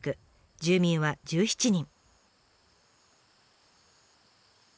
住民は１７人。